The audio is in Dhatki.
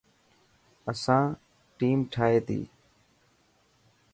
اسان ٿيم ٺائي تي.